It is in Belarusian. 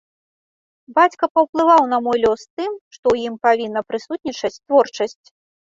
Бацька паўплываў на мой лёс тым, што ў ім павінна прысутнічаць творчасць.